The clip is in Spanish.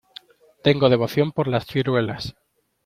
Tengo devoción por las ciruelas.